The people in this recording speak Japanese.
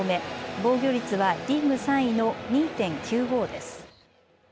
防御率はリーグ３位の２．９５です。